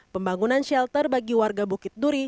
pembangunan shelter bagi warga bukit duri